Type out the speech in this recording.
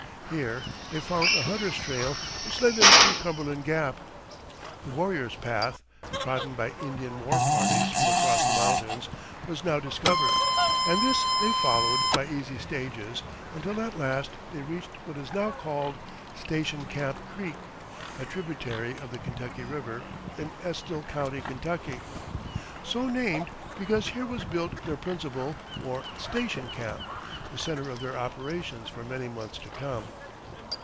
Here they found a hunter's trail which led them through Cumberland Gap. The "warriors' path" trodden by Indian war parties from across the mountains was now discovered, and this they followed by easy stages until at last they reached what is now called Station Camp Creek, a tributary of the Kentucky River, in Estill County, Ky. so named because here was built their principal, or "station" camp, the center of their operations for many months to come.